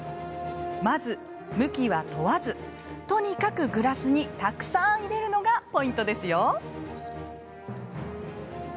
まず向きは問わずとにかくグラスにたくさん入れるのがポイントですよ。